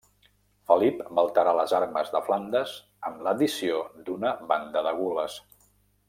Felip va alterar les armes de Flandes amb l'addició d'una banda de gules.